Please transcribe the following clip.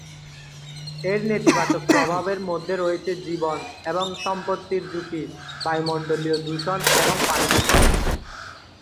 এর নেতিবাচক প্রভাবের মধ্যে রয়েছে জীবন এবং সম্পত্তির ঝুঁকি, বায়ুমণ্ডলীয় দূষণ এবং পানি দূষণ।